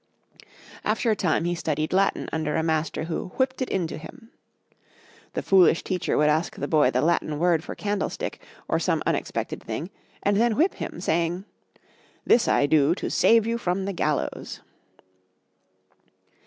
After a time he studied Latin under a master who "whipped it into him." The foolish teacher would ask the boy the Latin word for candlestick, or some unexpected thing, and then whip him, saying, "This I do to save you from the gallows!"